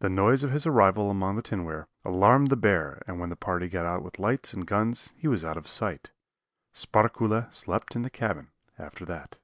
The noise of his arrival among the tinware alarmed the bear and when the party got out with lights and guns he was out of sight. Sparkuhle slept in the cabin after that.